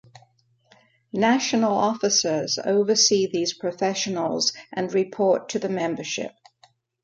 National officers oversee these professionals and report to the membership.